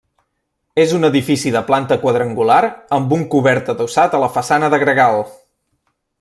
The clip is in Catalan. És un edifici de planta quadrangular amb un cobert adossat a la façana de gregal.